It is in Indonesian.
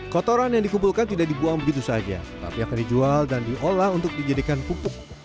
kotoran yang dikumpulkan tidak dibuang begitu saja tapi akan dijual dan diolah untuk dijadikan pupuk